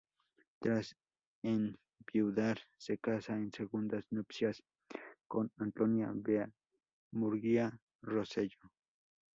Trás enviudar, se casa en segundas nupcias con Antonia Vea-Murguía Roselló.